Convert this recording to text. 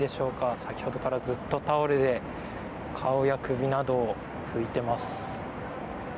先ほどからずっとタオルで顔や首などを拭いてます。